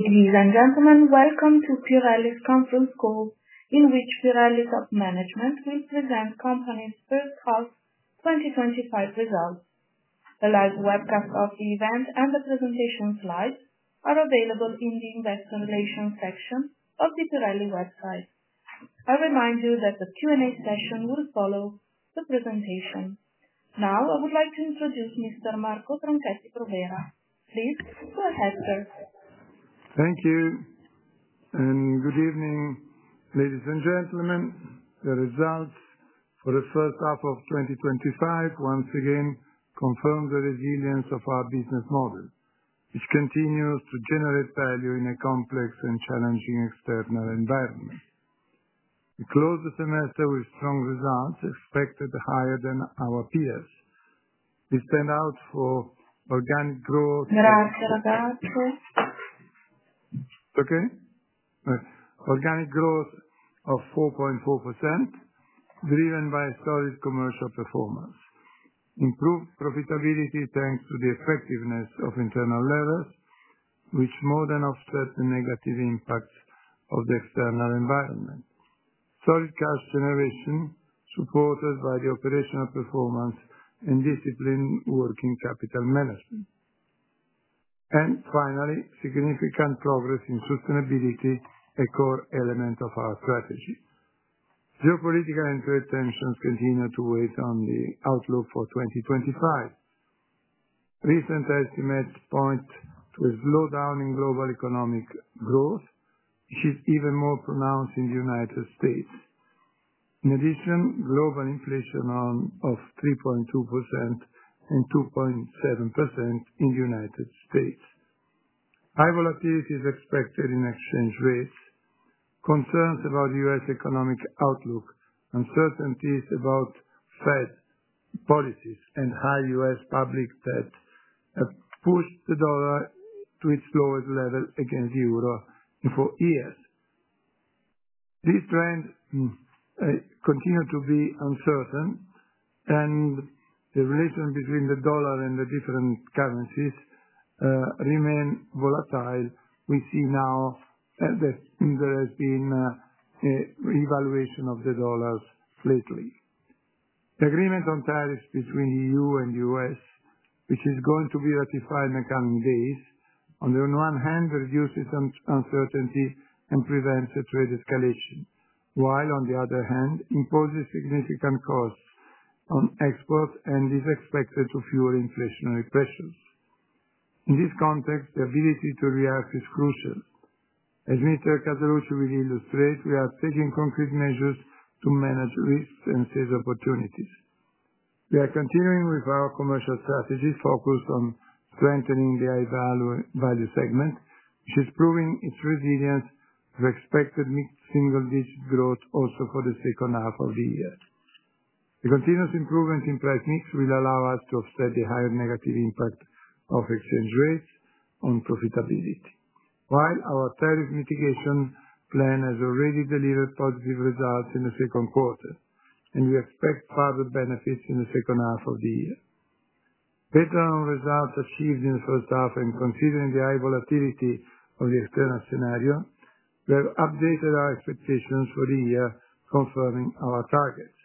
Ladies and gentlemen, welcome to Pirelli's conference call in which Pirelli's management will present the company's first half 2025 results. The live webcast of the event and the presentation slides are available in the investor relations section of the Pirelli website. I remind you that the Q&A session will follow the presentation. Now I would like to introduce Mr. Marco Tronchetti Provera. Please go ahead, sir. Thank you and good evening. Ladies and gentlemen. The results for the first half of 2025 once again confirm the resilience of our business model which continues to generate value in a complex and challenging external environment. We closed the semester with strong results expected higher than our peers. We stand out for organic growth, okay? Organic growth of 4.4% driven by solid commercial performance. Improved profitability thanks to the effectiveness of internal levers which more than offset the negative impacts of the external environment. Solid cash generation supported by the operational performance and disciplined working capital management. Finally, significant progress in sustainability, a core element of our strategy. Geopolitical and trade tensions continue to weigh on the outlook for 2025. Recent estimates point to a slowdown in global economic growth which is even more pronounced in the United States. In addition, global inflation of 3.2% and 2.7% in the United States, high volatility is expected in exchange rates. Concerns about U.S. economic outlook, uncertainties about Fed policies and high U.S. public debt have pushed the dollar into its lowest level against euro in four years. This trend continued to be uncertain and the relations between the dollar and the different currencies remain volatile. We see now that there has been revaluation of the dollar lately. The Agreement on Tariffs between the EU and U.S. which is going to be ratified in the coming days, on the one hand, reduces uncertainty and prevents a trade escalation, while on the other hand imposes significant costs on exports and is expected to fuel inflationary pressures. In this context, the ability to react is crucial. As Mr. Casaluci will illustrate, we are taking concrete measures to manage risks and save opportunities. We are continuing with our commercial strategy focused on strengthening the high value segment which is proving its resilience to expected mid single digit growth. Also for the second half of the year, the continuous improvement in price mix will allow us to offset the higher negative impact of exchange rates on profitability. While our tariff mitigation plan has already delivered positive results in the second quarter and we expect further benefits in the second half of the year. Based on results achieved in the first half and considering the high volatility of the external scenario, we have updated our expectations for the year confirming our targets.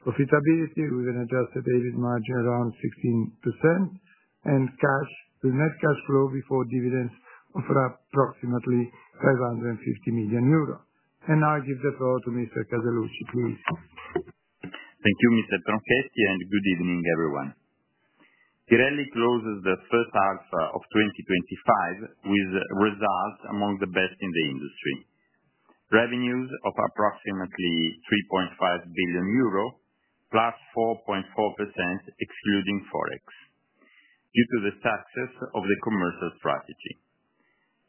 Profitability with an adjusted EBIT margin around 16% and cash with net cash flow before dividends of approximately 550 million euros. Now I give the floor to Mr. Casaluci, please. Thank you, Mr. Tronchetti, and good evening everyone. Pirelli closes the first half of 2025 with results among the best in the industry. Revenues of approximately 3.5 billion euro, plus 4.4% excluding forex, due to the success of the commercial strategy.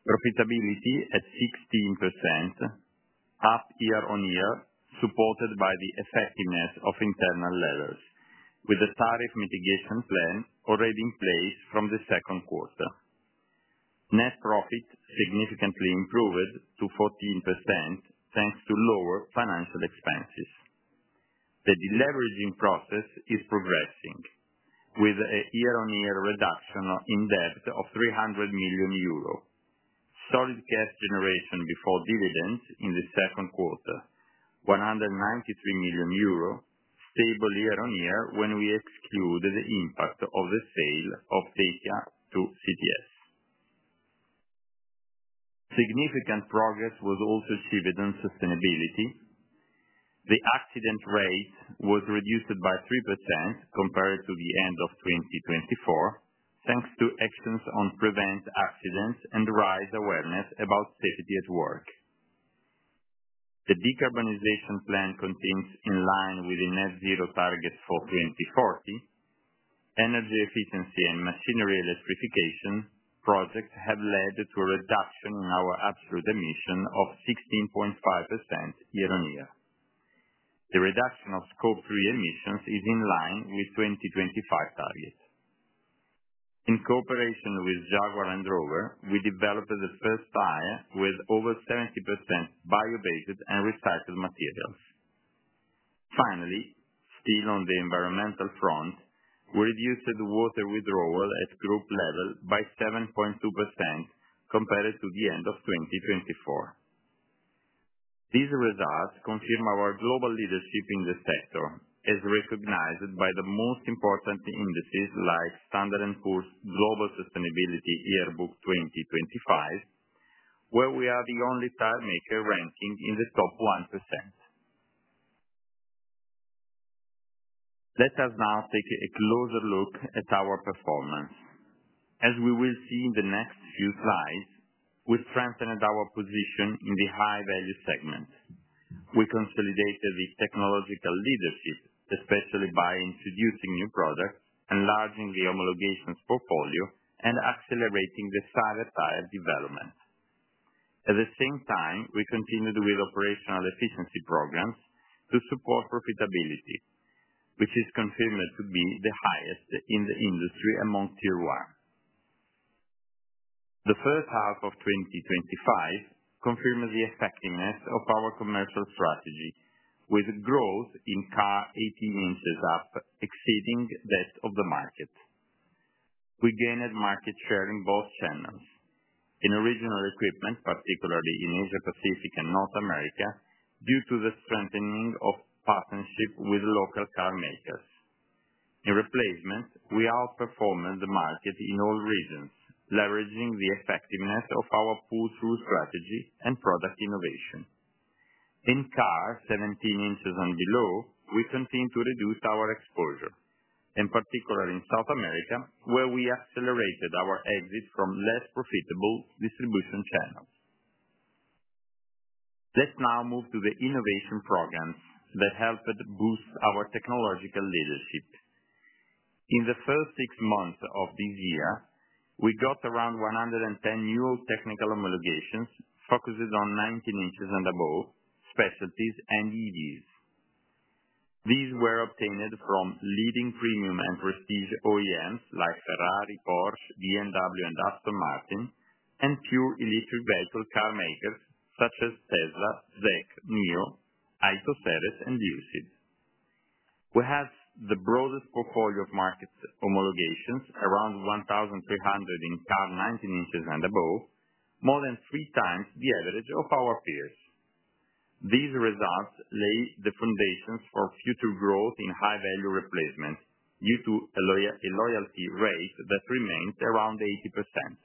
Profitability at 16%, up year-on-year, supported by the effectiveness of internal levers. With the tariff mitigation plan already in place from the second quarter, net profit significantly improved to 14% thanks to lower financial expenses. The deleveraging process is progressing with a year-on-year reduction in debt of 300 million euro, solid cash generation before dividends in the second quarter, 193 million euro, stable year-on-year. When we exclude the impact of the sale of D¨äckia to CTS, significant progress was also achieved on sustainability. The accident rate was reduced by 3% compared to the end of 2024 thanks to actions to prevent accidents and raise awareness about safety at work. The decarbonization plan continues in line with the net zero target for 2040. Energy efficiency and machinery electrification projects have led to a reduction in our absolute emissions of 16.5%. The reduction of Scope 3 emissions is in line with the 2025 target. In cooperation with Jaguar Land Rover, we developed the first tire with over 70% bio-based and recycled materials. Finally, still on the environmental front, we reduced water withdrawal at group level by 7.2% compared to the end of 2024. These results confirm our global leadership in the sector as recognized by the most important indices like Standard & Poor's Global Sustainability Yearbook 2025, where we are the only tiremaker ranking in the top 1%. Let us now take a closer look at our performance. As we will see in the next few slides, we strengthened our position in the high value segment. We consolidated this technological leadership, especially by introducing new products, enlarging the homologation portfolio, and accelerating the Cyber Tyre development. At the same time, we continued with operational efficiency programs to support profitability, which is confirmed to be the highest in the industry among tier one. The first half of 2025 confirmed the effectiveness of our commercial strategy with growth in car 18 in up, exceeding that of the market. We gained market share in both channels in original equipment, particularly in Asia Pacific and North America due to the strengthening of partnership with local carmakers. In replacement, we outperformed the market in all regions. Leveraging the effectiveness of our pull through strategy and product innovation in car 17 in and below, we continue to reduce our exposure, in particular in South America where we accelerated our exit from less profitable distribution channels. Let's now move to the innovation programs that helped boost our technological leadership. In the first six months of this year we got around 110 new technical homologations focused on 19 in and above specialties and EVs. These were obtained from leading premium and prestige OEMs like Ferrari, Porsche, BMW, and Aston Martin and pure electric vehicle carmakers such as Tesla, Zeekr, NIO, Lucid, and Isoceras. We have the broadest portfolio of market homologations, around 1,300 in car 19 in and above, more than three times the average of our peers. These results lay the foundations for future growth in high value replacement due to a loyalty rate that remains around 80%.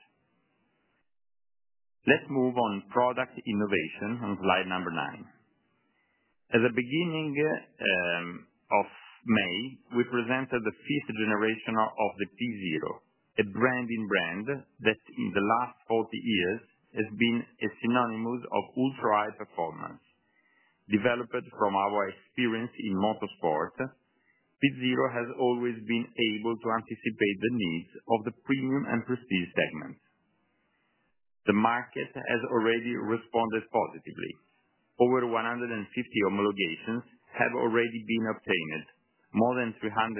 Let's move on product innovation on slide number nine. At the beginning of May, we presented the fifth generation of the P ZERO, a brand that in the last 40 years has been a synonym of ultra high performance. Developed from our experience in motorsport, P ZERO has always been able to anticipate the needs of the premium and prestige segments. The market has already responded positively. Over 150 homologations have already been obtained, more than 380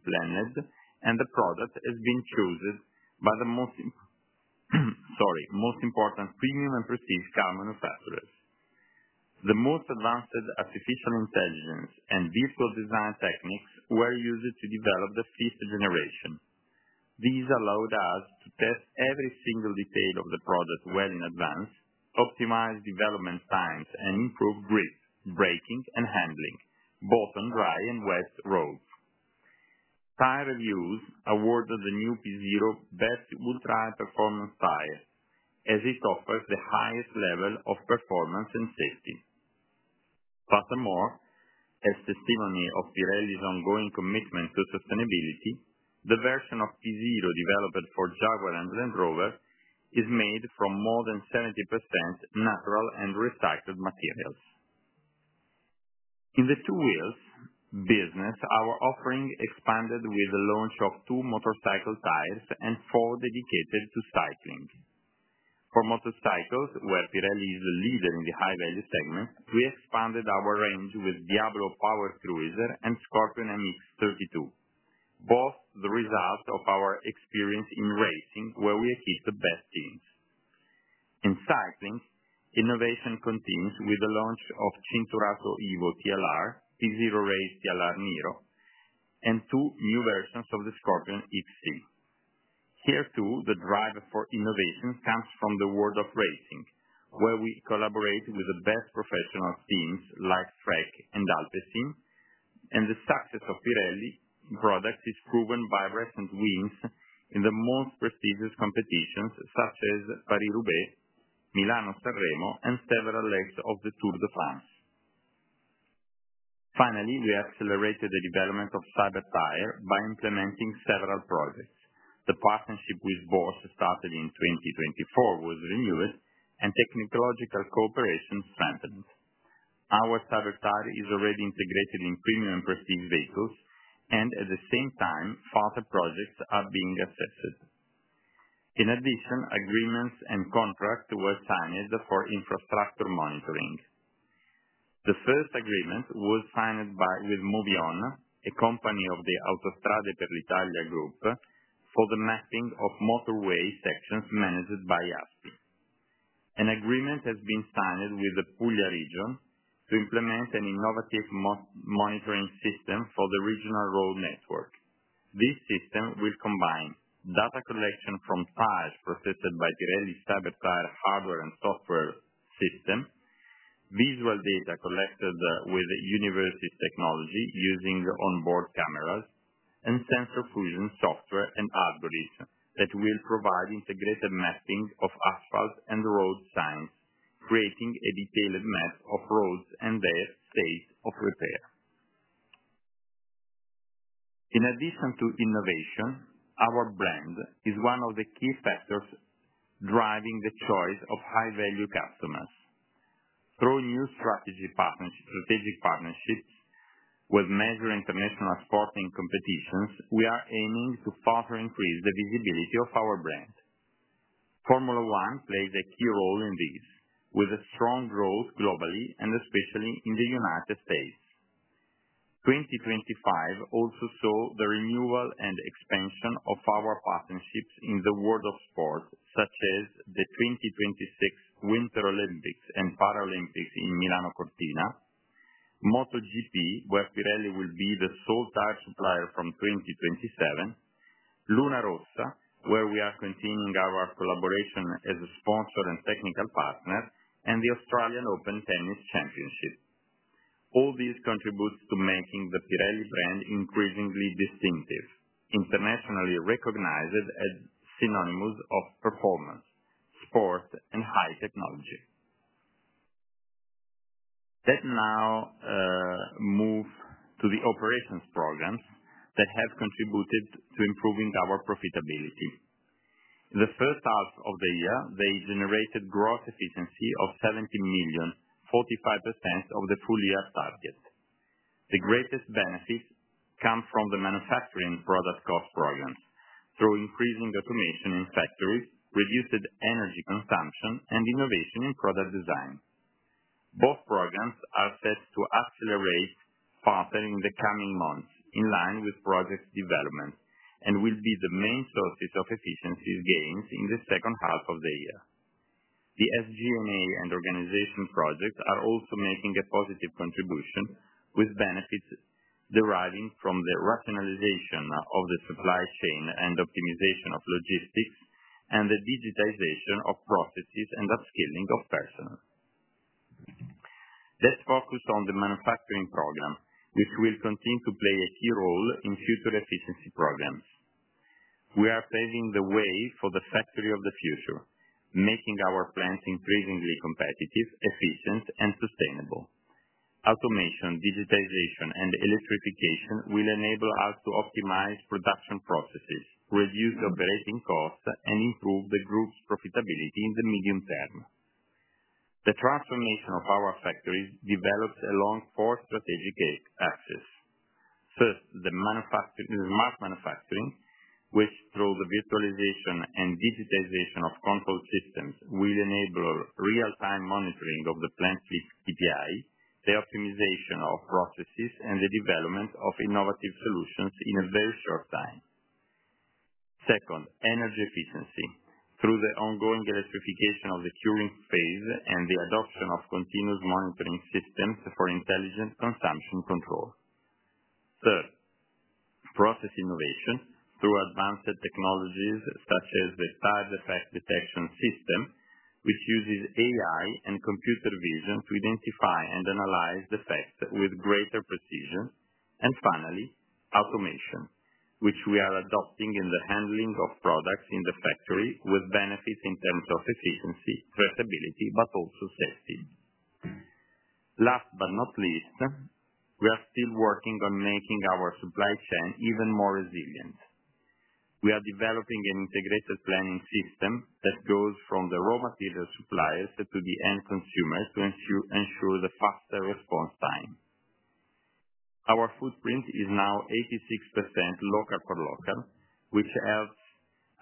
planned, and the product has been chosen by the most important premium and prestige car manufacturers. The most advanced artificial intelligence and visual design techniques were used to develop the fifth generation. These allowed us to test every single detail of the product well in advance, optimize development times, and improve grip, braking, and handling both on dry and wet roads. Tire reviews awarded the new P ZERO Best Ultra High Performance tire as it offers the highest level of performance and safety. Furthermore, as testimony of Pirelli's ongoing commitment to sustainability, the version of P ZERO developed for Jaguar Land Rover is made from more than 70% natural and recycled materials. In the two wheels business, our offering expanded with the launch of two motorcycle tires and four dedicated to cycling. For motorcycles, where Pirelli is the leader in the high value segment, we expanded our range with DIABLO POWER CRUISER, and SCORPION MX32, both the result of our experience in racing where we achieved the best teams in cycling. Innovation continues with the launch of Cinturato EVO TLR, P ZERO Race TLR, NIRO, and two new versions of the Scorpion XC. Here too, the drive for innovation comes from the world of racing where we collaborate with the best professional teams like Trek and Alpecin, and the success of Pirelli products is proven by recent wins in the most prestigious competitions such as Paris-Roubaix, Milano-San Remo, and several legs of the Tour de France. Finally, we accelerated the development of Cyber Tyre by implementing several projects. The partnership with Bosch started in 2024 was renewed and technological cooperation strengthened. Our Cyber Tyre is already integrated in premium prestige vehicles and at the same time, further projects are being assessed. In addition, agreements and contracts were signed for infrastructure monitoring. The first agreement was signed with Movyon, a company of the Autostrade per l’Italia Group, for the mapping of motorway sections managed by ASPI. An agreement has been signed with the Puglia region to implement an innovative monitoring system for the regional road network. This system will combine data collection from TAJ processed by Pirelli Cyber Tyre hardware and software system, visual data collected with university technology using the onboard cameras and sensor fusion software and algorithm that will provide integrated mapping of asphalt and road signs, creating a detailed map of roads and their state of repair. In addition to innovation, our brand is one of the key factors driving the choice of high value customers. Through new strategic partnerships with major international sporting competitions, we are aiming to further increase the visibility of our brand. Formula One plays a key role in this with strong growth globally and especially in the United States. 2025 also saw the renewal and expansion of our partnerships in the world of sport such as the 2026 Winter Olympics and Paralympics in Milano-Cortina, MotoGP, where Pirelli will be the sole tire supplier from 2027, Luna Rossa, where we are continuing our collaboration as a sponsor and technical partner, and the Australian Open Tennis Championship. All this contributes to making the Pirelli brand increasingly distinctive, internationally recognized as synonymous with performance, sport, and high technology. Let us now move to the operations programs that have contributed to improving our profitability. In the first half of the year they generated gross efficiency of 70 million, 45% of the full year target. The greatest benefits come from the manufacturing product cost programs through increasing automation in factories, reduced energy consumption, and innovation in product design. Both programs are set to accelerate further in the coming months in line with project development and will be the main sources of efficiency gains in the second half of the year. The SG&A and organization projects are also making a positive contribution, with benefits deriving from the rationalization of the supply chain and optimization of logistics, and the digitization of processes and upskilling of personnel. Let's focus on the manufacturing program, which will continue to play a key role in future efficiency programs. We are paving the way for the factory of the future, making our plants increasingly competitive, efficient, and sustainable. Automation, digitization, and electrification will enable us to optimize production processes, reduce operating costs, and improve the group's profitability in the medium term. The transformation of our factories develops along four strategic axes. First, the smart manufacturing, which through the virtualization and digitization of control systems will enable real-time monitoring of the plant fleet, KPI, the optimization of processes, and the development of innovative solutions in a very short time. Second, energy efficiency through the ongoing electrification of the curing phase and the adoption of continuous monitoring systems for intelligent consumption control. Third, process innovation through advanced technologies such as the side effect detection system, which uses AI and computer vision to identify and analyze the effects with greater precision. Finally, automation, which we are adopting in the handling of products in the factory with benefits in terms of efficiency, flexibility, but also safety. Last but not least, we are still working on making our supply chain even more resilient. We are developing an integrated planning system that goes from the raw material suppliers to the end consumer to ensure the faster response time. Our footprint is now 86% local for local, which helps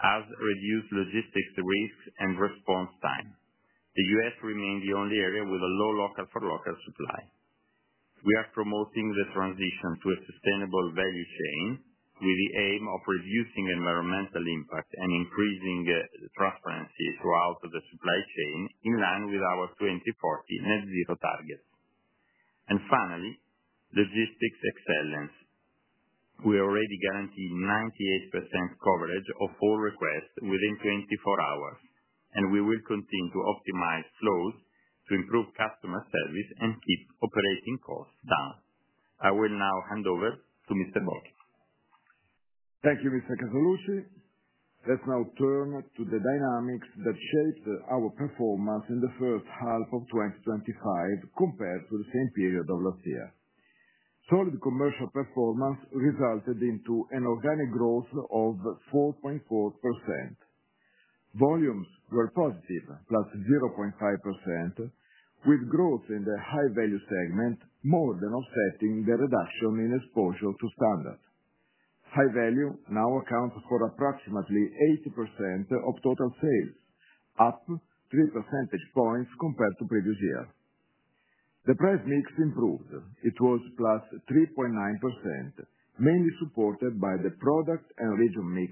us reduce logistics risk and response time. The U.S. remains the only area with a low local for local supply. We are promoting the transition to a sustainable value chain with the aim of reducing environmental impact and increasing transparency throughout the supply chain in line with our 2040 net zero target. Finally, logistics excellence. We already guaranteed 98% coverage of all requests within 24 hours, and we will continue to optimize flows to improve customer service and keep operating costs down. I will now hand over to Mr. Bocchio. Thank you, Mr. Casaluci. Let's now turn to the dynamics that shaped our performance in the first half of 2025 compared to the same period of last year. Solid commercial performance resulted in an organic growth of 4.4%. Volumes were positive, +0.5%, with growth in the high value segment more than offsetting the reduction in exposure to standard. High value now accounts for approximately 80% of total sales, up 3 percentage points compared to previous year. The price mix improved, it was plus 3.9%, mainly supported by the product and region mix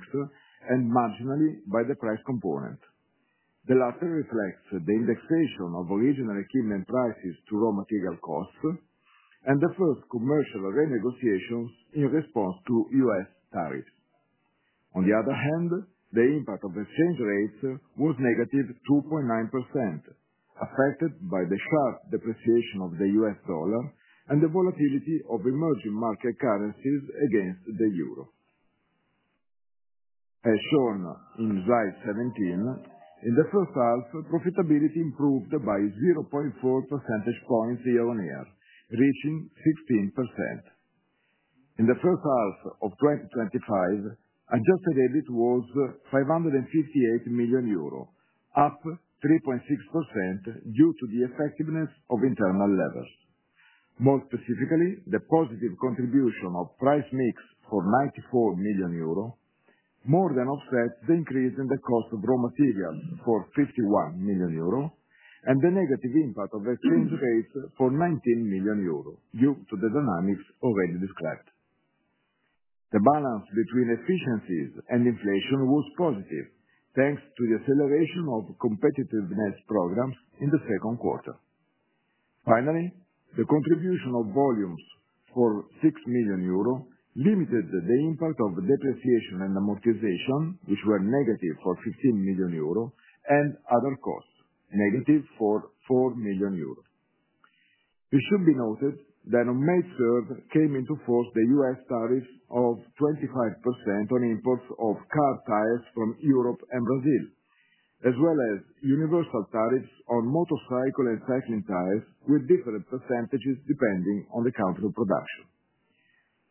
and marginally by the price component. The latter reflects the indexation of original equipment prices to raw material costs and the first commercial renegotiations in response to U.S. tariffs. On the other hand, the impact of exchange rates was -2.9%, affected by the sharp depreciation of the U.S. dollar and the volatility of emerging market currencies against the euro, as shown in slide 17. In the first half, profitability improved by 0.4 percentage points year-on-year, reaching 16% in the first half of 2025. Adjusted EBIT was 558 million euro, up 3.6% due to the effectiveness of internal levers. More specifically, the positive contribution of price mix for 94 million euro more than offset the increase in the cost of raw materials for 51 million euro and the negative impact of the exchange rates for 19 million euro due to the dynamics already described. The balance between efficiencies and inflation was positive thanks to the acceleration of competitiveness programs in the second quarter. Finally, the contribution of volumes for 6 million euro limited the impact of depreciation and amortization, which were negative for 15 million euro, and other costs, negative for 4 million euro. It should be noted that on May 3rd came into force the U.S. tariff of 25% on imports of car tires from Europe and Brazil, as well as universal tariffs on motorcycle and cycling tires with different percentages depending on the country of production.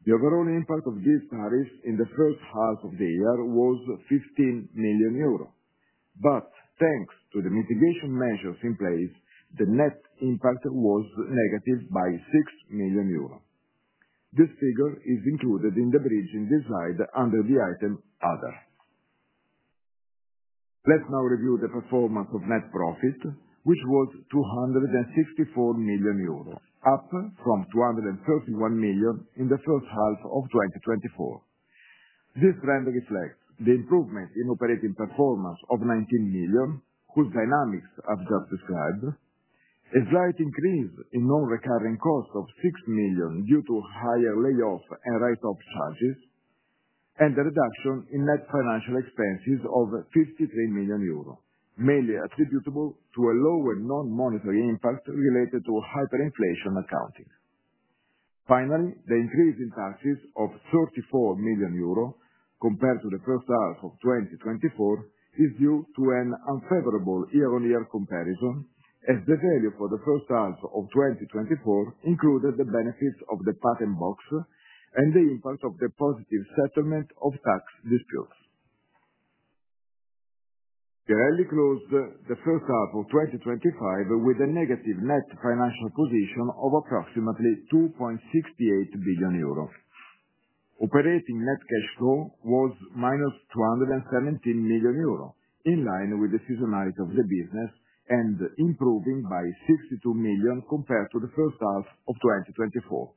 The overall impact of these tariffs in the first half of the year was 15 million euros, but thanks to the mitigation measures in place, the net impact was negative by 6 million euros. This figure is included in the bridge in this slide under the item other. Let's now review the performance of net profit, which was 264 million euros, up from 231 million in the first half of 2024. This trend reflects the improvement in operating performance of 19 million whose dynamics I've just described, a slight increase in non-recurring costs of 6 million due to higher layoff and write-off charges, and a reduction in net financial expenses of 53 million euro, mainly attributable to a lower non-monetary impact related to hyperinflation accounting. Finally, the increase in taxes of 34 million euro compared to the first half of 2024 is due to an unfavorable year-on-year comparison, as the value for the first half of 2024 included the benefits of the patent box and the impact of the positive settlement of tax disputes. Pirelli closed the first half of 2025 with a negative net financial position of approximately 2.68 billion euro. Operating net cash flow was -217 million euro, in line with the seasonality of the business and improving by 62 million compared to the first half of 2024.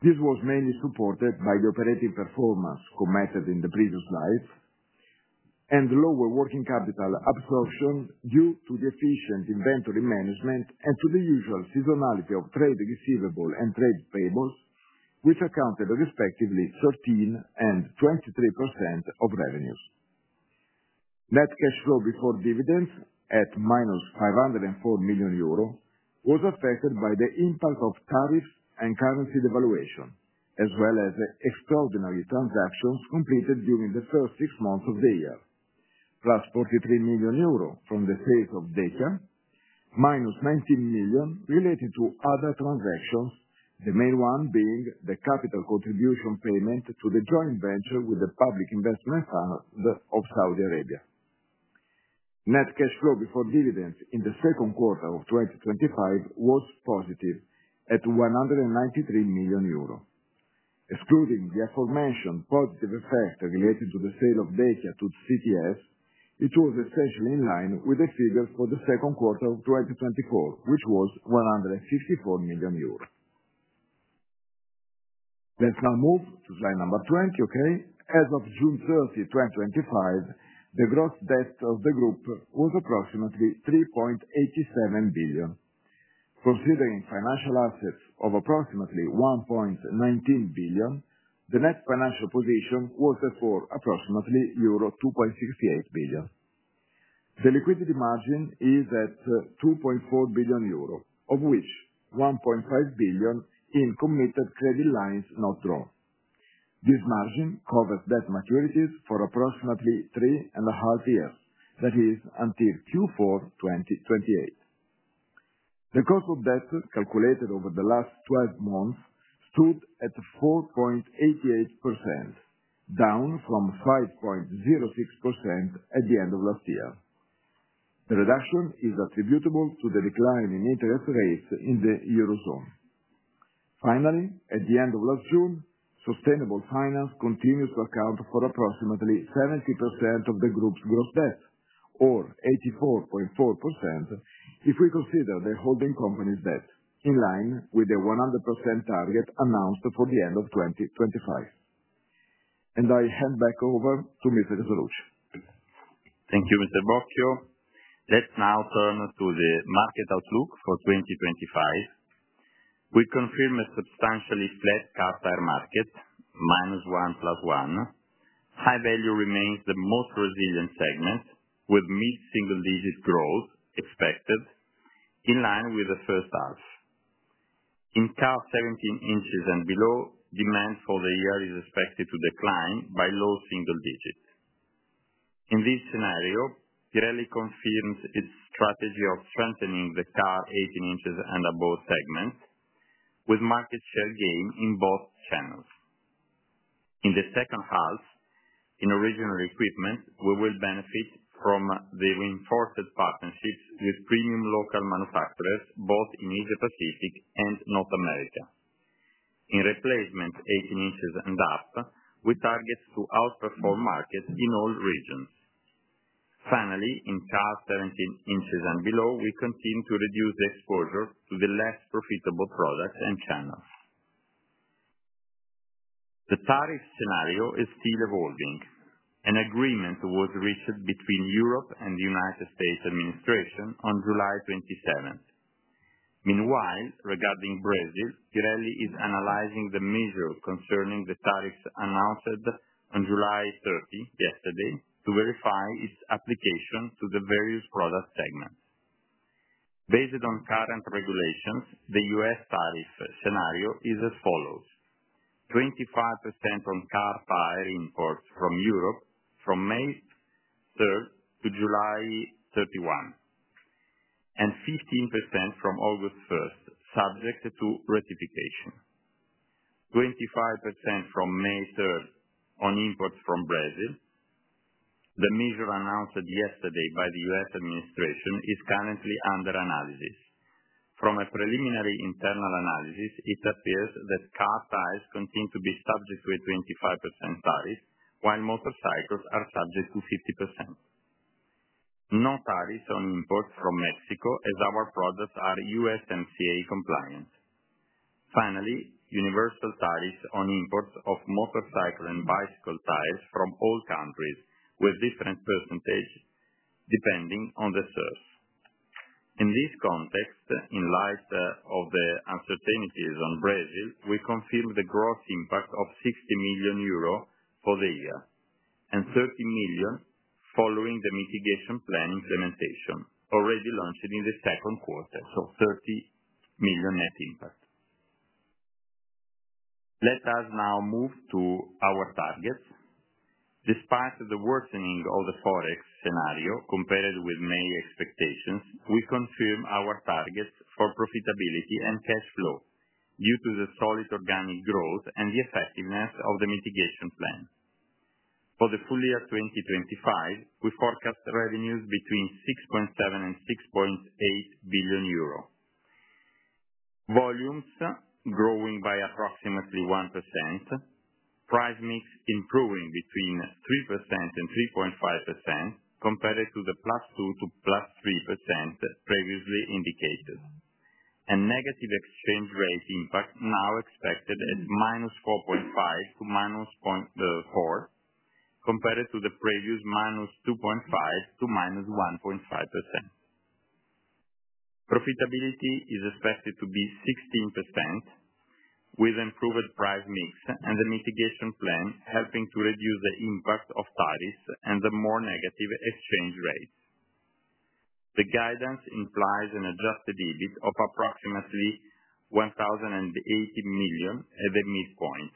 This was mainly supported by the operating performance commented in the previous slide and lower working capital absorption due to the efficient inventory management and to the usual seasonality of trade receivable and trade payables, which accounted respectively for 13% and 23% of revenues. Net cash flow before dividends at -504 million euro was affected by the impact of tariffs and currency devaluation as well as extraordinary transactions completed during the first six months of the year. +43 million euro from the sales of data, -19 million related to other transactions, the main one being the capital contribution payment to the joint venture with the Public Investment Fund of Saudi Arabia. Net cash flow before dividends in the second quarter of 2025 was positive at 193 million euro. Excluding the aforementioned positive effect related to the sale of data to CTS, it was essentially in line with the figure for the second quarter of 2024, which was 154 million euros. Let's now move to slide number 20. As of June 30, 2025, the gross debt of the group was approximately 3.87 billion. Considering financial assets of approximately 1.19 billion, the net financial position was for approximately euro 2.68 billion. The liquidity margin is at 2.24 billion euro, of which 1.5 billion in committed credit lines not drawn. This margin covers debt maturities for approximately three and a half years, that is until Q4 2028. The cost of debt calculated over the last 12 months stood at 4.88%, down from 5.06% at the end of last year. The reduction is attributable to the decline in interest rates in the eurozone. Finally, at the end of last June, sustainable finance continues to account for approximately 70% of the group's gross debt, or 84.4% if we consider the holding company's debt, in line with the 100% target announced for the end of 2025. I hand back over to Mr. Casaluci. Thank you, Mr. Bocchio. Let's now turn to the market outlook for 2025. We confirm a substantially flat car tire market, -1% +1%. High value remains the most resilient segment, with mid single digit growth expected in line with the first half. In car 17 in and below, demand for the year is expected to decline by low single digits. In this scenario, Pirelli confirms its strategy of strengthening the car 18 in and above segment, with market share gain in both channels in the second half. In original equipment, we will benefit from the reinforced partnerships with premium local manufacturers both in Asia Pacific and North America. In replacement 18 in and up, we target to outperform markets in all regions. Finally, in cars 17 in and below, we continue to reduce exposure to the less profitable products and channels. The tariff scenario is still evolving. An agreement was reached between Europe and the U.S. administration on July 27. Meanwhile, regarding Brazil, Pirelli is analyzing the measure concerning the tariffs announced on July 30, yesterday, to verify its application to the various product segments based on current regulations. The U.S. tariff scenario is as follows: 25% on car tire imports from Europe from May 3 to July 31 and 15% from August 1, subject to ratification; 25% from May 3 on imports from Brazil. The measure announced yesterday by the U.S. Administration is currently under analysis. From a preliminary internal analysis, it appears that car tires continue to be subject to 25% tariffs, while motorcycles are subject to 50%. No tariffs on imports from Mexico, as our products are USMCA compliant. Finally, universal tariffs on imports of motorcycle and bicycle tires from all countries, with different percentages depending on the source. In this context, in light of the uncertainties on Brazil, we confirm the gross impact of 60 million euro for the year and 30 million following the mitigation plan implementation already launched in the second quarter. Therefore, 30 million net impact. Let us now move to our targets. Despite the worsening of the Forex scenario compared with May expectations, we confirm our targets for profitability and cash flow due to the solid organic growth and the effectiveness of the mitigation plan. For the full year 2025, we forecast revenues between 6.7 and 6.8 billion euro, volumes growing by approximately 1%, price mix improving between 3% and 3.5% compared to the +2%-+3% previously indicated, and negative exchange rate impact now expected at -4.5% to -0.4% compared to the previous -2.5% to -1.5%. Profitability is expected to be 16% with improved price mix and the mitigation plan helping to reduce the impact of tariffs and the more negative exchange rates. The guidance implies an adjusted EBIT of approximately 1,080 million at the midpoint,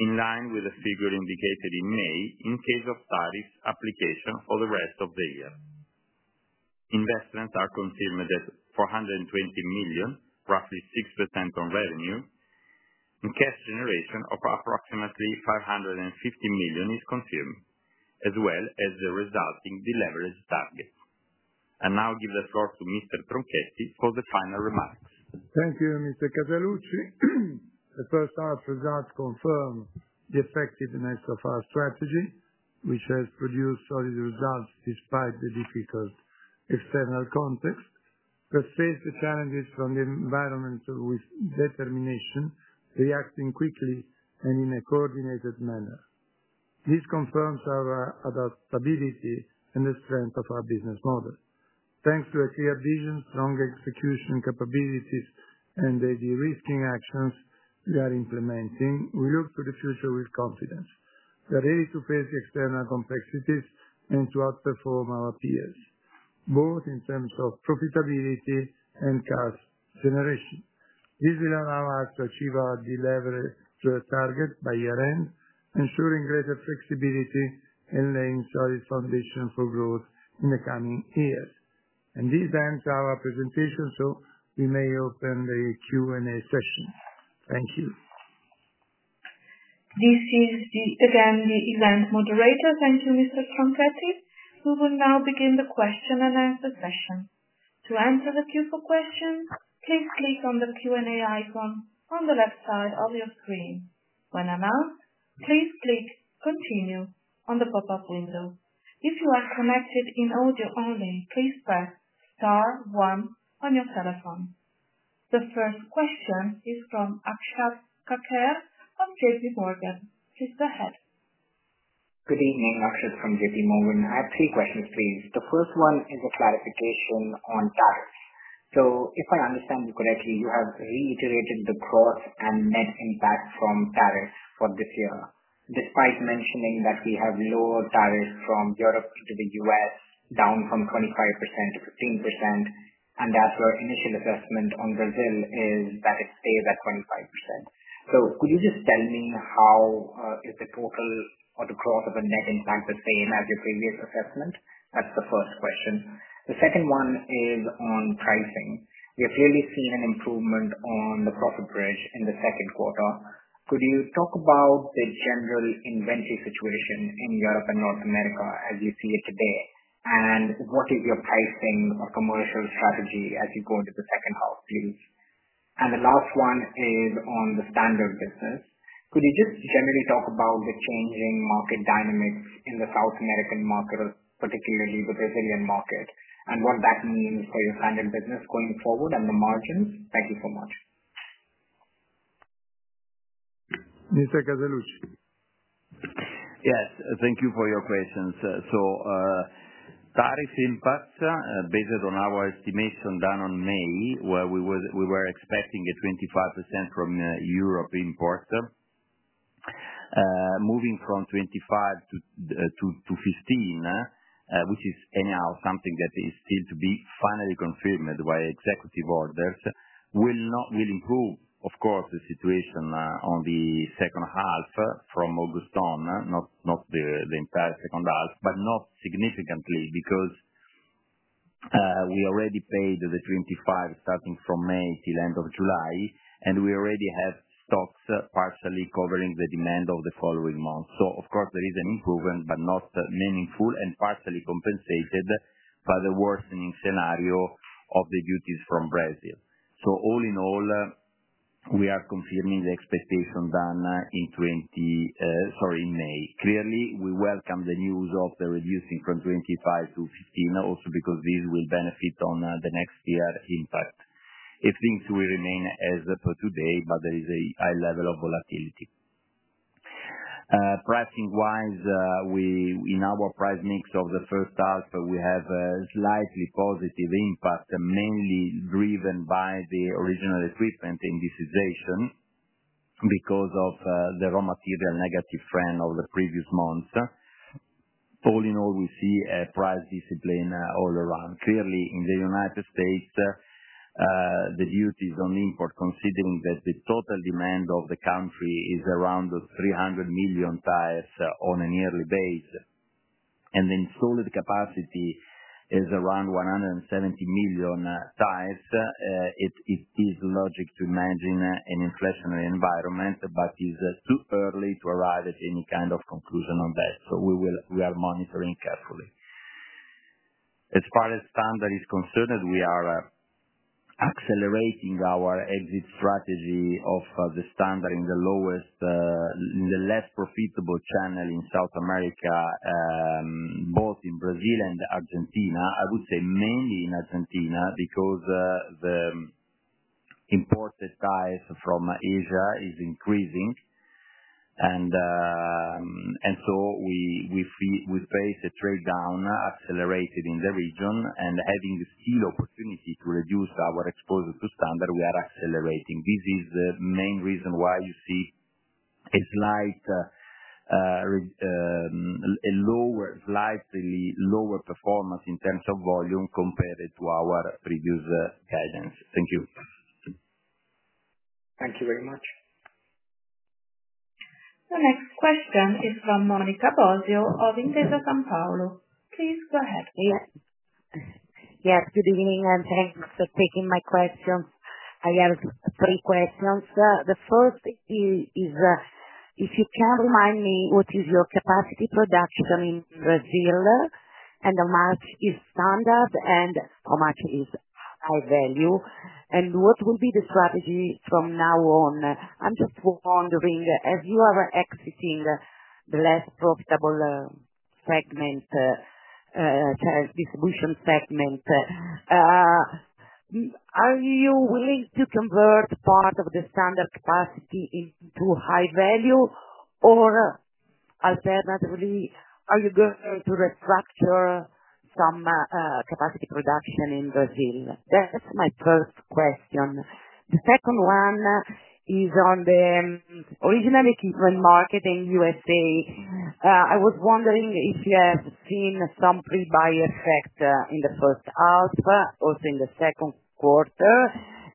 in line with the figure indicated in May in case of tariff application. For the rest of the year, investments are consumed at 420 million, roughly 6% on revenue, and cash generation of approximately 550 million is consumed as well as the resulting deleverage target. I now give the floor to Mr. Tronchetti for the final remarks. Thank you, Mr. Casaluci. The first half results confirm the effectiveness of our strategy, which has produced solid results despite the difficult external context. We face challenges from the environment with determination, reacting quickly and in a coordinated manner. This confirms our adaptability and the strength of our business model, thanks to a clear vision, strong execution capabilities, and the de-risking actions we are implementing. We look to the future with confidence. We are ready to face the external complexities and to outperform our peers both in terms of profitability and cash. This will allow us to achieve our delivery target by year end, ensuring greater flexibility and laying a solid foundation for growth in the coming years. This ends our presentation, so we may open the Q&A session. Thank you. This is again the event Moderator. Thank you, Mr. Tronchetti Provera, who will now begin the question and answer session. To enter the queue for questions, please click on the Q&A icon on the left side of your screen. When announced, please click Continue on the pop-up window. If you are connected in audio only, please press one on your telephone. The first question is from Akshat Kacker of JPMorgan. Please go ahead. Good evening Akshat, from JPMorgan. I have three questions please. The first one is a clarification on tariffs. If I understand you correctly, you have reiterated the gross and net impact from tariffs for this year, despite mentioning that we have lowered tariffs from Europe to the U.S. down from 25% to 15%. That's where initial assessment on Brazil is, that it stays at 25%. Could you just tell me how is the total or the growth of a net impact the same as your previous assessment? That's the first question. The second one is on pricing. We have really seen an improvement on the profit bridge in the second quarter. Could you talk about the general inventory situation in Europe and North America as you see it today? What is your pricing or commercial strategy as you go into the second half, please? The last one is on the standard business. Could you just generally talk about the changing market dynamics in the South American market, particularly the Brazilian market, and what that means for your standard business going forward and the margins. Thank you so much. Mr. Casaluci. Yes, thank you for your questions. Tariff impact based on our estimation done in May, where we were expecting a 25% from Europe imports, moving from 25% to 15%, which is anyhow something that is still to be finally confirmed by executive orders, will improve, of course, the situation in the second half from August on, not the entire second half, but not significantly because we already paid the 25% starting from May till end of July and we already have stocks partially covering the demand of the following month. Of course, there is an improvement, but not meaningful and partially compensated by the worsening scenario of the duties from Brazil. All in all, we are confirming the expectation done in May. Clearly, we welcome the news of the reducing from 25% to 15% also because this will benefit on the next impact if things will remain as for today. There is a high level of volatility pricing wise. In our price mix of the first half, we have a slightly positive impact mainly driven by the original equipment indexation because of the raw material negative trend over the previous months. All in all, we see a price discipline all around. Clearly, in the United States, the duties on import, considering that the total demand of the country is around 300 million tires on a yearly basis and installed capacity is around 170 million tires, it is logic to imagine an inflationary environment but it is too early to arrive at any kind of conclusion on that. We are monitoring carefully as far as standard is concerned. We are accelerating our exit strategy of the standard in the lowest, in the less profitable channel in South America, both in Brazil and Argentina. I would say mainly in Argentina because the imported tires from Asia is increasing. We face a trade down accelerated in the region. Having still opportunity to reduce our exposure to standard, we are accelerating. This is the main reason why you see a slightly lower performance in terms of volume compared to our previous guidance. Thank you. Thank you very much. The next question is from Monica Bosio of Intesa Sanpaolo. Please go ahead. Yes, good evening and thanks for taking my questions. I have three questions. The first is if you can remind me what is your capacity production in Brazil and how much is standard and how much is high value? What will be the strategy from now on? I'm just wondering, as you are exiting the less profitable segment distribution segment, are you willing to convert part of the standard capacity into high value? Alternatively, are you going to restructure some capacity production in Brazil? That's my first question. The second one is on the original equipment market in the U.S. I was wondering if you have seen some pre-buyer effect in the first half, also in the second quarter,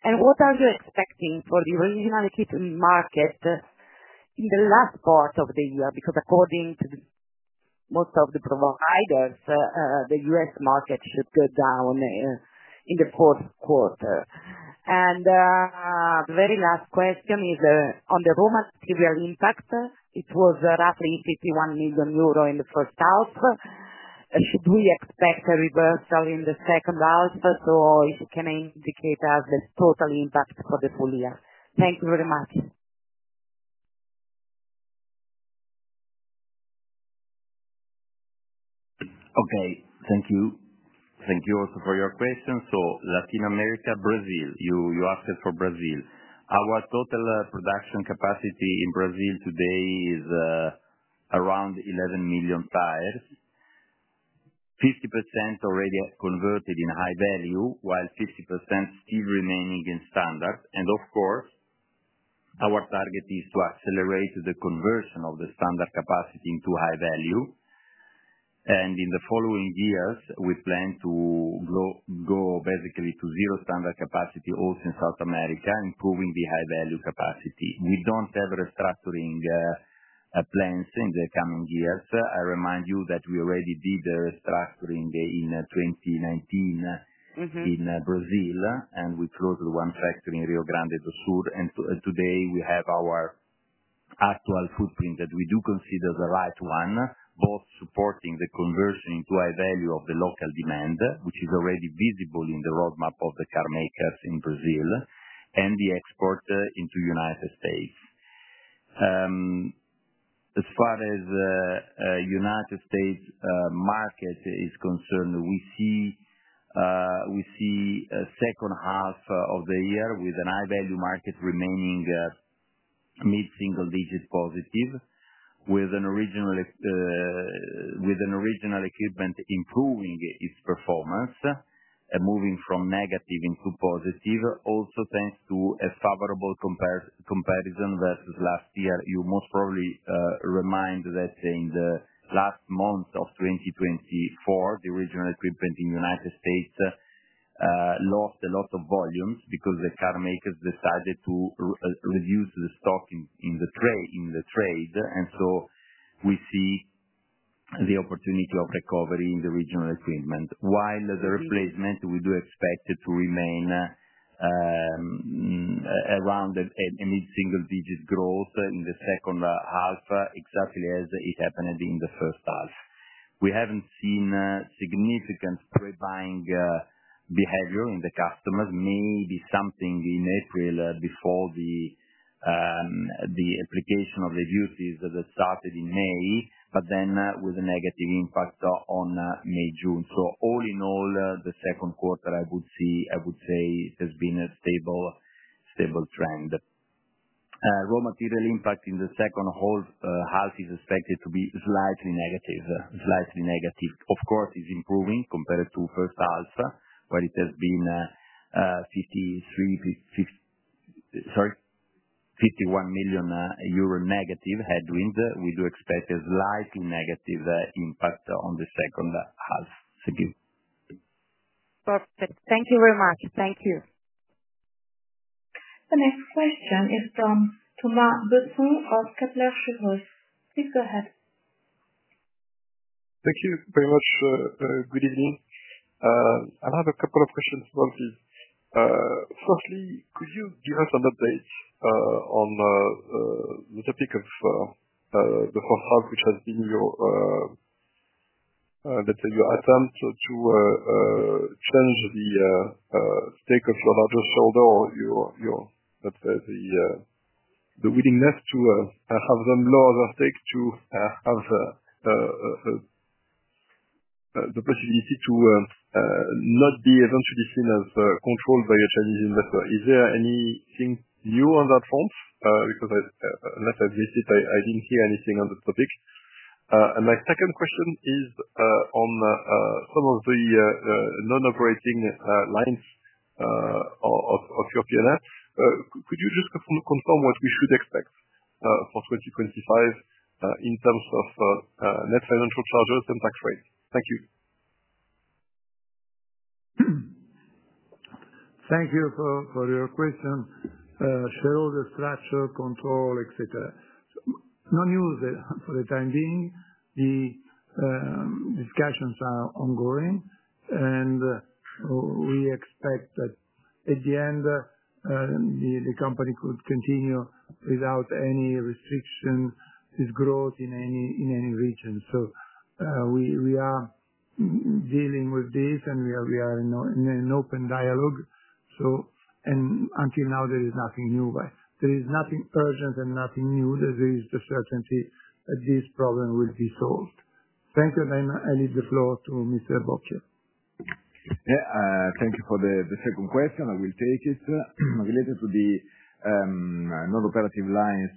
and what are you expecting for the original equipment market in the last part of the year? According to most of the providers, the U.S. market should go down in the post quarter. The very last question is on the raw material impact. It was roughly 51 million euro in the first half. Should we expect a reversal in the second half? If you can indicate the total impact for the full year. Thank you very much. Okay, thank you. Thank you also for your question. Latin America, Brazil. You asked us for Brazil. Our total production capacity in Brazil today is around 11 million tires. 50% already converted in high value. 50% still remaining in standard. Our target is to. Accelerate the conversion of the standard capacity into high value. In the following years, we plan to go basically to zero standard capacity also in South America, improving the high value capacity. We don't have restructuring plans in the coming years. I remind you that we already did restructuring in 2019 in Brazil, and we closed one factory in Rio Grande do Sul. Today, we have our actual footprint that we do consider the right one, both supporting the conversion into high value of the local demand, which is already visible in the roadmap of the carmakers in Brazil, and the export into the United States. As far as the United States market is concerned, we see a second half of the year with a high value market remaining mid single digit positive, with original equipment improving its performance, moving from negative into positive, also thanks to a favorable comparison versus last year. You most probably remind that in the last months of 2024, the original equipment in the United States lost a lot of volumes because the carmakers decided to reduce the spend stock in the trade. We see the opportunity of recovery in the original equipment, while the replacement we do expect to remain around mid single digit growth in the second half, exactly as it happened in the first half. We haven't seen significant pre-buying behavior in the customers. Maybe something in April before the application of duties that started in May, but then with a negative impact on May and June. All in all, the second quarter, I would say, has been a stable trend. Raw material impact in the second half is expected to be slightly negative. Of course, it's improving compared to the first half, where it has been 51 million euro negative headwinds. We do expect a slightly negative impact on the second half. Perfect. Thank you very much. Thank you. The next question is from Thomas Besson of KeplerCheuvreux. Please go ahead. Thank you very much. Good evening. I have a couple of questions about these. Firstly, could you give us an update? On the topic of the first half. Which has been your. Let's say, your. Attempt to change the stake of your larger shareholder or the willingness to have the lower stake to have the possibility to not be eventually seen as controlled by a Chinese investor. Is there anything new on that front? Because unless I missed it, I didn't hear anything on the topic. My second question is on some of the non-operating lines of your PNF. Could you just confirm what we should expect for 2025 in terms of net financial charges and tax rates? Thank you. Thank you for your question. Shareholder structure control etc. No news for the time being. The discussions are ongoing, and we expect that at the end the company could continue without any restrictions this growth in any region. We are dealing with this, and we are in an open dialogue. Until now there is nothing new, nothing urgent, and nothing new that there is the certainty that this problem will be solved. Thank you. I leave the floor to Mr. Bocchio. Thank you. For the second question, I will take it related to the nonoperative lines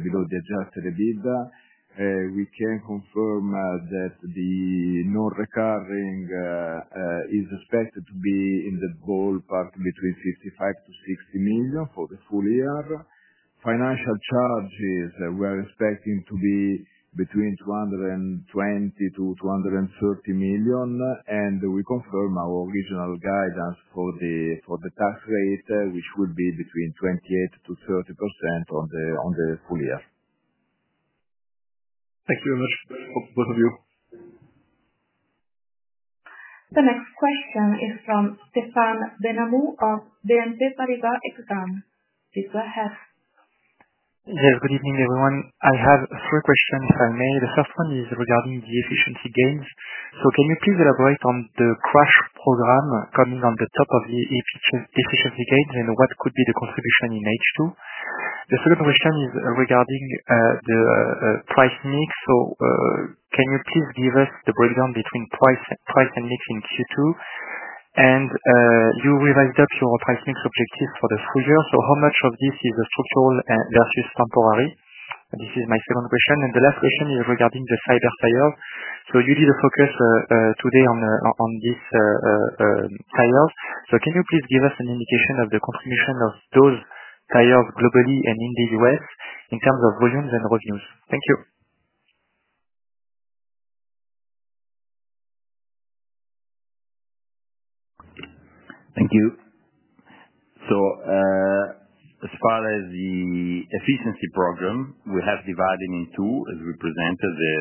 below the adjusted EBITDA. We can confirm that the non recurring is expected to be in the ballpark between 55-60 million for the full year. Financial charges, we are expecting to be between 220-230 million. We confirm our original guidance for the tax rate, which would be between 28%-30% on the full year. Thank you very much, both of you. The next question is from Stephen Benhamou of BNP Paribas. Please go ahead. Yes, good evening everyone. I have three questions if I may. The first one is regarding the efficiency gains. Can you please elaborate on the crash program coming on top of the AP decision brigade, and what could be the contribution in H2? The second question is regarding the price mix. Can you please give us the breakdown between price and mix in Q2? You revised up your price mix objectives for the full year. How much of this is structural versus temporary? This is my second question. The last question is regarding the Cyber Tyre sale. You did a focus today on these tires. Can you please give us an indication of the contribution of those tires globally and in the U.S. in terms of volumes and revenues? Thank you. Thank you. As far as the efficiency program, we have divided in two as we presented the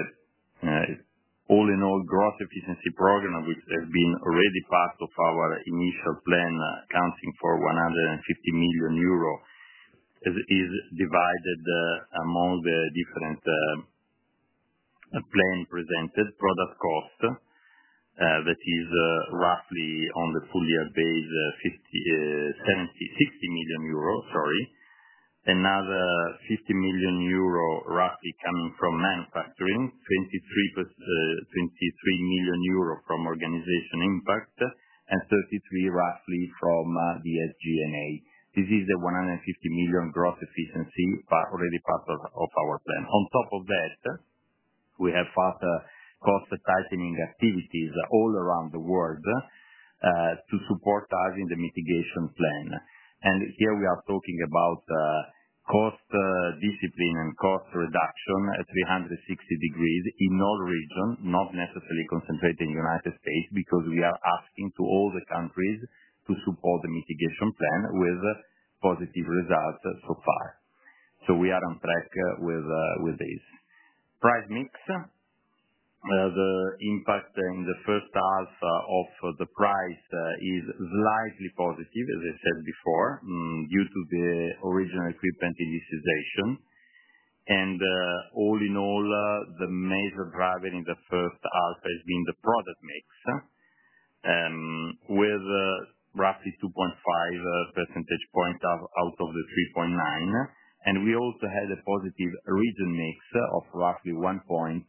all in all gross efficiency. Program which has been already part of. Our initial plan, counting for 150 million. Euro is divided among the different plan presented product cost, that is roughly on the full year base, 70 or 60 million euro. Sorry, another 50 million euro roughly coming from manufacturing, 23 million euro from organization. Impact and 33 million roughly from the SG&A. This is the 150 million growth efficiency already part of our plan. On top of that, we have fast. Cost tightening activities all around the world to support us in the mitigation plan. Here we are talking about cost discipline and cost reduction at 360 degrees in all regions, not necessarily concentrated in the United States because we are asking all the countries to support the mitigation plan with positive results so far. We are on track with this price mix. The impact in the first half of the price is slightly positive, as I said before, due to the original equipment indication. All in all, the major driver. In the first half, it has been the product mix with roughly 2.5 percentage points out of the 3.9%. We also had a positive region mix of roughly 1 point,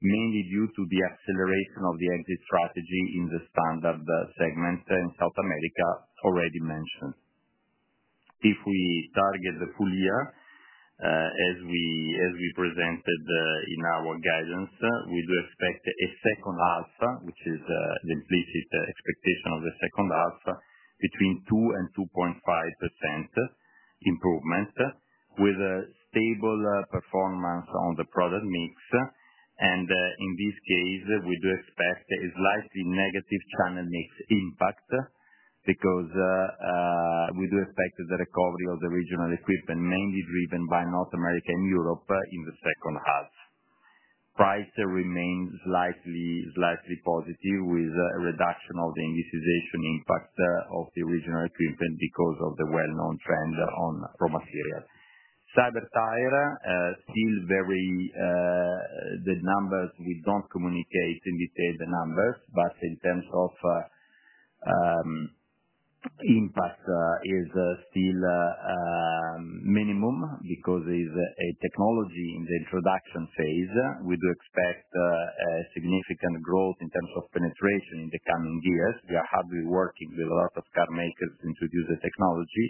mainly due to the acceleration of the exit strategy in the standard segment in South America already mentioned. If we target the full year. As we presented in our guidance, we do. Expect a second half, which is the implicit expectation of the second half, between 2% and 2.5% improvement with a stable performance on the product mix. In this case, we do expect. A slightly negative channel mix impact because we do expect the recovery of the regional equipment, mainly driven by North America and Europe. In the second half, price remains slightly positive with a reduction of the indication impact of the original equipment because of the well-known trend on raw material. Cyber Tyre still very the numbers. We don't communicate and we say the numbers, but in terms of impact is still minimum because it is a technology in the introduction phase. We do expect significant growth in terms of penetration in the coming years. We are hardly working with a lot of carmakers to introduce the technology.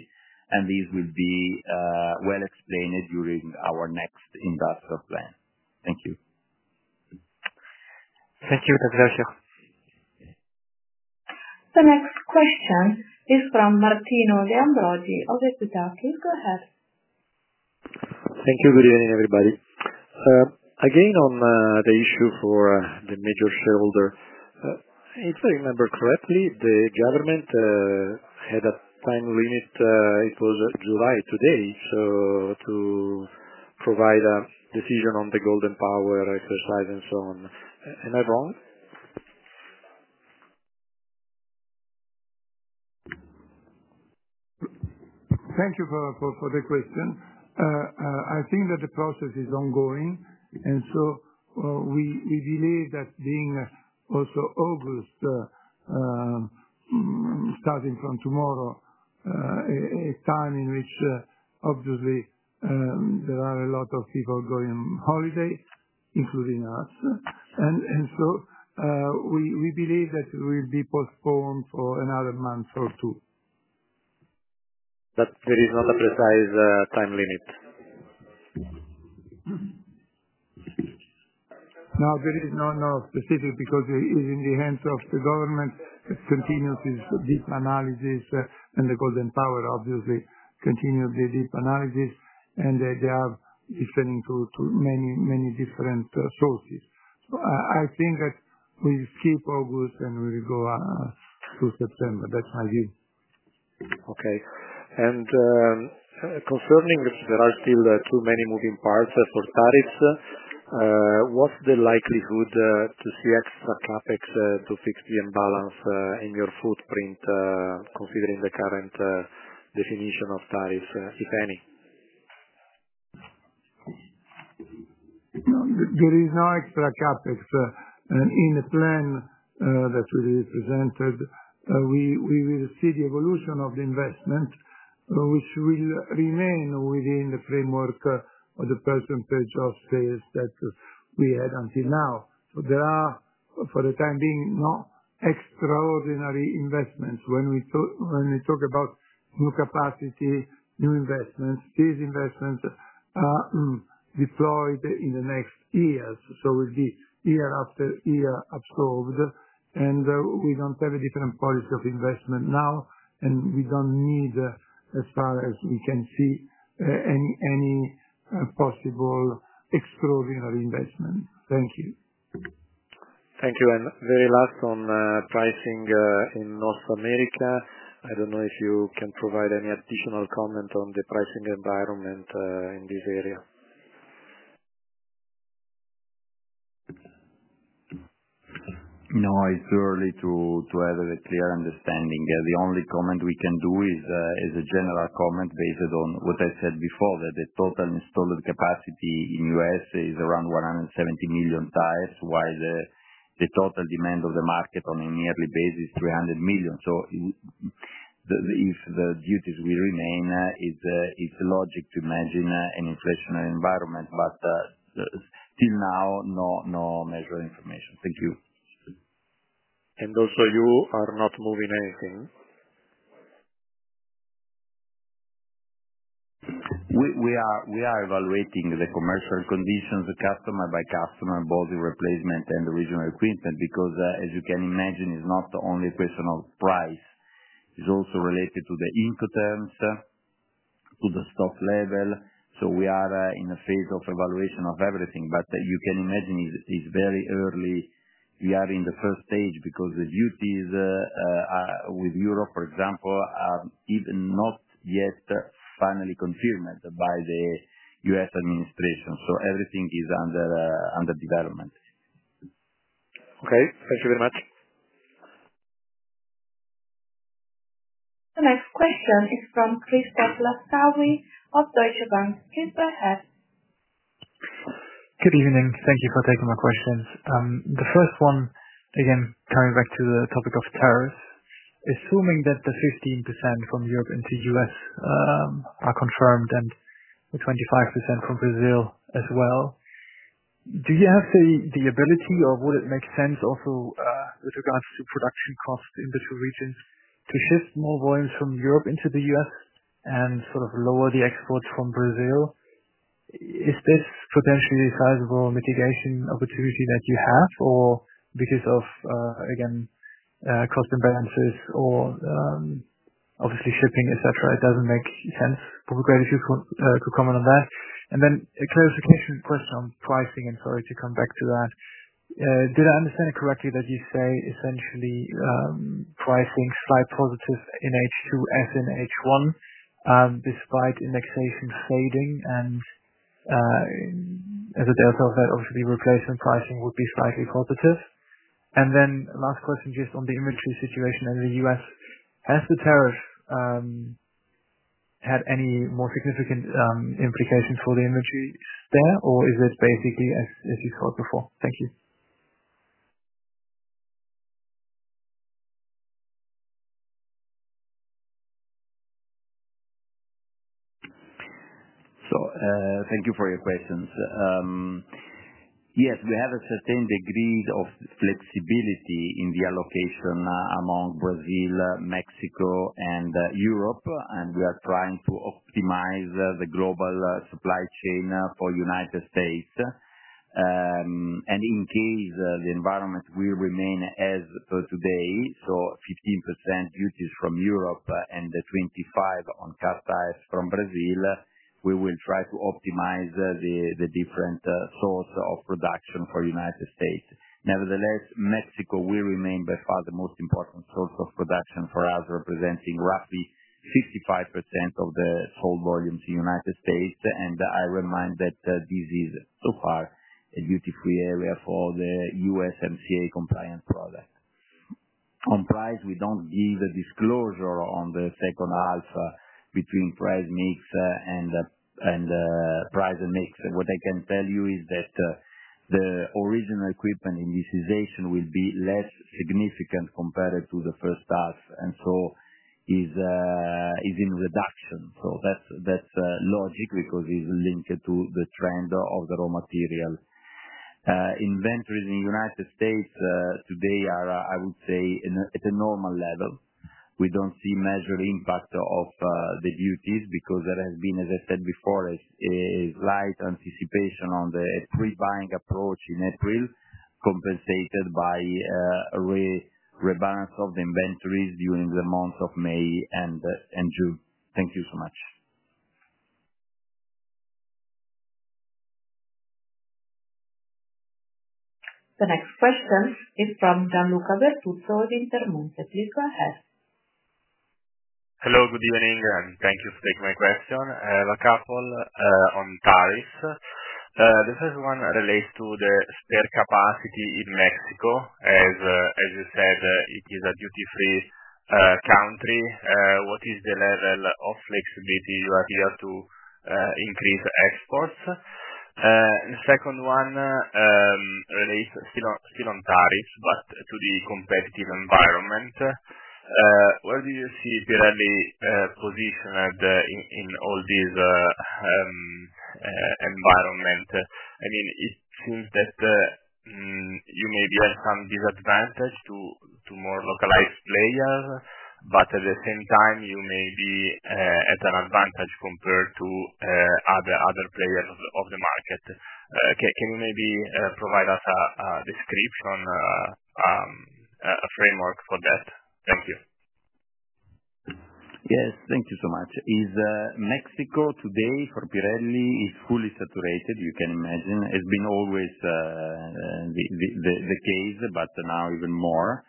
These will be well explained during our next industrial plan. Thank you. Thank you. The next question is from Martino De Ambroggi of Equita. Please go ahead. Thank you. Good evening everybody. On the issue for the major shareholder, if I remember correctly, the government had a time limit. It was July today to provide a decision on the Golden Power exercise and so on. Am I wrong? Thank you for the question. I think that the process is ongoing, and we believe that, being also August starting from tomorrow, a time in which obviously there are a lot of people going on holiday, including us, we believe that it will be postponed for another month or two. There is not a precise time limit. Now there is no specific because it is in the hands of the government, continues his deep analysis, and the Golden Power obviously continues the deep analysis, and they are listening to many, many different sources. I think that we skip August and we will go to September. That's my view. Okay. Concerning there are still too many moving parts for tariffs, was the likelihood to see extra CapEx to fix the imbalance in your footprint, considering the current definition of tariffs, if any. There is no extra CapEx in the plan that will be presented. We will see the evolution of the investment, which will remain within the framework or the percentage of sales that we had until now. There are, for the time being, no extraordinary investments. When we talk about new capacity, new investments, these investments are deployed in the next years. It will be year after year absorbed. We don't have a different policy of investment now, and we don't need, as far as we can see, any possible extraordinary investment. Thank you. Thank you. Very last, on pricing in North America, I don't know if you can provide any additional comment on the pricing environment in this area. No, it's too early to have a clear understanding. The only comment we can do is as a general comment, because based on what I said before, the total installed capacity in the U.S. is around 170 million tires, while the total demand of the market on a yearly basis is 300 million. If the duties will remain, it's logic to imagine an inflationary environment, but till now, no measured information. Thank you. You are not moving anything. We are evaluating the commercial conditions customer by customer, both in replacement and original equipment. As you can imagine, it's not only a question of price, it's also related to the incoterms, to the stock level. We are in a phase of evaluation of everything. You can imagine it's very early. We are in the first stage because the duties with Europe, for example, are even not yet finally confirmed by the U.S. administration. Everything is under development. Okay, thank you very much. The next question is from Christoph Laskawi of Deutsche Bank. Please go ahead. Good evening. Thank you for taking my questions. The first one, again coming back to the topic of tariffs. Assuming that the 15% from Europe into the U.S. are confirmed and the 25% from Brazil as well, do you have the ability or would it make sense also with regards to production costs in the two regions to shift more volumes from Europe into the U.S. and sort of lower the export from Brazil? Is this potentially a sizable mitigation opportunity that you have, or because of again cost imbalances or obviously shipping, etc., it doesn't make sense. Probably great if you could comment on that. Then a clarification question on pricing, and sorry to come back to that, did I understand it correctly that you say essentially pricing slight positive in H2 as in H1 despite indexation fading and as a delta, obviously replacement pricing would be slightly positive. Last question, just on the inventory situation in the U.S., has the tariff had any more significant implications for the inventory there or is it basically as you saw it before? Thank you. Thank you for your questions. Yes, we have a certain degree of flexibility in the allocation among Brazil, Mexico, and Europe. We are trying to optimize the global supply chain for the United States. In case the environment will remain as today, so 15% duty from Europe and 25% on car tires from Brazil, we will try to optimize the different sources of production for the United States. Nevertheless, Mexico will remain by far the most important source of production for the U.S., representing roughly 55% of the total volumes in the United States. I remind that this is so far a duty-free area for the USMCA-compliant products. On price, we don't give a disclosure on the second half between price mix and price and mix. What I can tell you is that the original equipment indexation will be less significant compared to the first half and so is in reduction. That's logic because it's linked to the trend of the raw material. Inventories in the United States today are, I would say, at a normal level. We don't see major impact of the duties because there has been, as I said before, a slight anticipation on the pre-buying approach in April, compensated by rebalance of the inventories during the months of May and June. Thank you so much. The next question is from Gianluca Bertuzzo at Intermonte. Please go ahead. Hello, good evening and thank you for taking my question. I have a couple on tariffs. The first one relates to the spare capacity in Mexico. As you said, it is a duty-free spare country. What is the level of flexibility you appear to increase exports? The second one relates still on tariffs, but to the competitive environment. Where do you see Pirelli positioned in all this environment? I mean, it seems that you may be at some disadvantage to more localized players, but at the same time you may be at an advantage compared to other players of the market. Can you maybe provide us a description, a framework for that? Thank you. Yes, thank you so much. Mexico today for Pirelli is fully saturated. You can imagine, has been always. The. Case, but now even more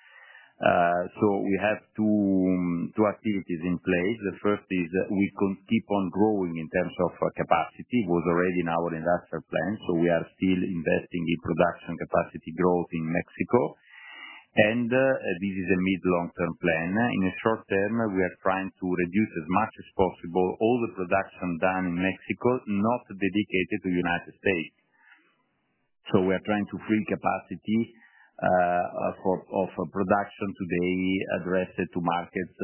so. We have two activities in place. The first is we could keep on growing in terms of capacity, which was already in our industrial plan. We are still investing in production capacity growth in Mexico, and this is a mid to long term plan. In the short term, we are trying to reduce as much as possible all the production done in Mexico not dedicated to the United States. We are trying to free capacity of production today addressed to markets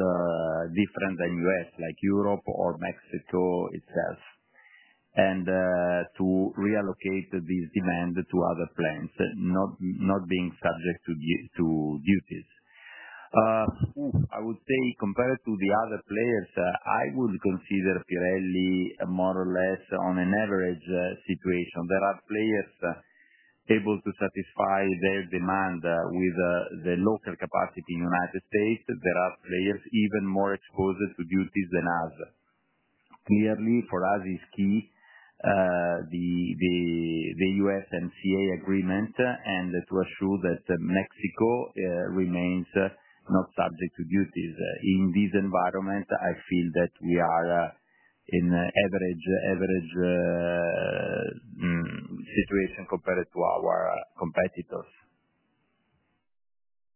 different than the U.S., like Europe or Mexico itself, and to reallocate this demand to other plants not being subject to duties. I would say compared to the other players, I would consider Pirelli more or less in an average situation. There are players able to satisfy their demand with the local capacity in the United States. There are players even more exposed to duties than us. Clearly, for us it is key, the USMCA agreement, and to assure that Mexico remains not subject to duties. In this environment, I feel that we are in an average situation compared to our competitors.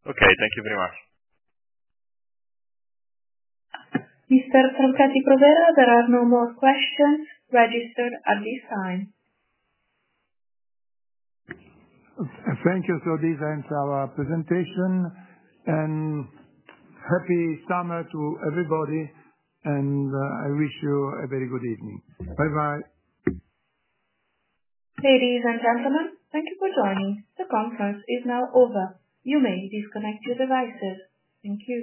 Okay, thank you very much. Mr. Tronchetti Provera. There are no more questions registered at this time. Thank you. This ends our presentation. Happy summer to everybody, and I wish you a very good evening. Bye. Bye. Ladies and gentlemen, thank you for joining. The conference is now over. You may disconnect your devices. Thank you.